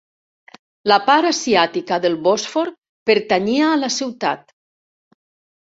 La part asiàtica del Bòsfor pertanyia a la ciutat.